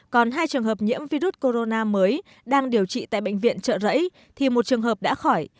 còn hai trường hợp nhiễm virus corona mới đang điều trị tại bệnh viện trợ rẫy thì một trường hợp đã khỏi